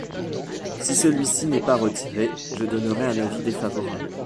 Si celui-ci n’est pas retiré, je donnerai un avis défavorable.